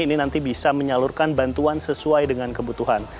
ini nanti bisa menyalurkan bantuan sesuai dengan kebutuhan